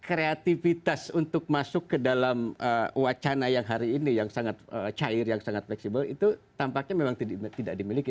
kreativitas untuk masuk ke dalam wacana yang hari ini yang sangat cair yang sangat fleksibel itu tampaknya memang tidak dimiliki